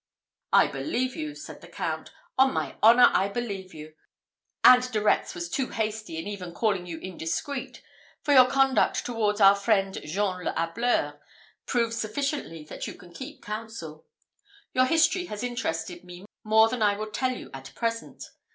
"I believe you," said the Count, "on my honour, I believe you; and De Retz was too hasty in even calling you indiscreet; for your conduct towards our friend Jean le Hableur proves sufficiently that you can keep counsel. Your history has interested me more than I will tell you at present.